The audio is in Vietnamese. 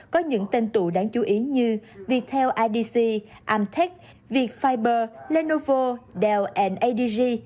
có những tên tụ đáng chú ý như viettel idc amtec vietfiber lenovo dell adg